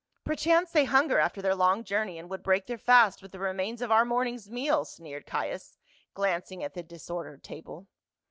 "Perchance they hunger after their long journey and would break their fast with the remains of our morning's meal," sneered Caius, glancing at the dis ordered table.